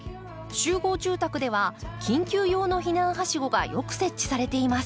集合住宅では緊急用の避難はしごがよく設置されています。